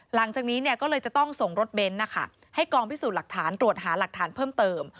หลังจากนี้ก็เลยจะต้องส่งรถเบนท์นะคะให้กองพิสูจน์หลักฐานตรวจหาหลักฐานเพิ่มเติม